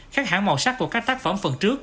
khác hẳn màu sắc của các tác phẩm phần trước